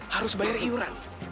harus bayar iuran